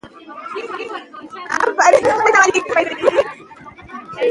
اداري نظام د خلکو د باور اړتیا لري.